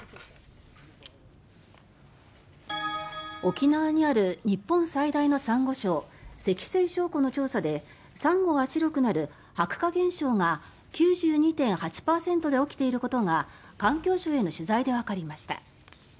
沖縄にある日本最大のサンゴ礁石西礁湖の調査でサンゴが白くなる白化現象が９２．８％で起きていることが環境省への取材でわかりました。